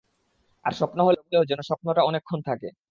আর স্বপ্ন হলেও যেন স্বপ্নটা অনেকক্ষণ থাকে।